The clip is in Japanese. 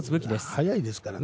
速いですからね。